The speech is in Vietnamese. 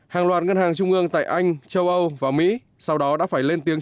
hàng loạt ngân hàng trung ương tại anh châu âu và mỹ sau đó đã phải lên tiếng